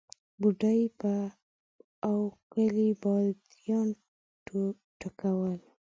بوډۍ په اوکلۍ باديان ټکول.